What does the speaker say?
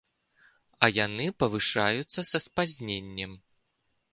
А яны павышаюцца са спазненнем.